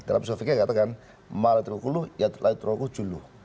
dalam sufiqah katakan mahal terhukum ya layutur rukuh juluh